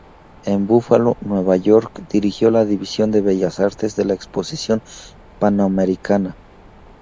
En Búfalo, Nueva York, dirigió la División de Bellas Artes de la Exposición Pan-Americana.